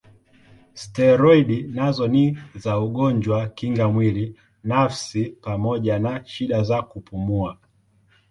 Steroidi nazo ni za ugonjwa kinga mwili nafsi pamoja na shida za kupumua.